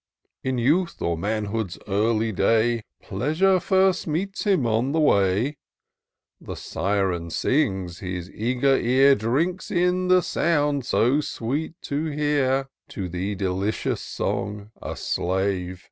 " In youth or manhood's early day. Pleasure first meets him on the way. The Syren sings, his eager ear Drinks in the sound so sweet to heai* ; To the delicious song a slave.